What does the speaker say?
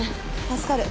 助かる。